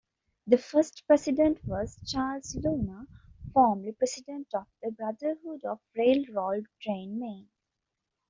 The first president was Charles Luna, formerly president of the Brotherhood of Railroad Trainmen.